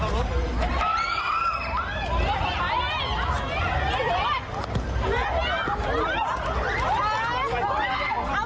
ทุกคนได้มารับสัญลักษณ์ที่จะจัดการแม่งตัว